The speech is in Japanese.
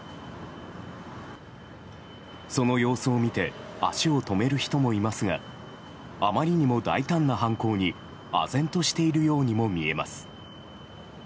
その様子を見て足を止める人もいますがあまりにも大胆な犯行に唖然としているようにも見えます。